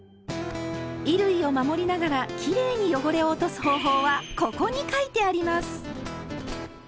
衣類を守りながらきれいに汚れを落とす方法は「ここ」に書いてあります！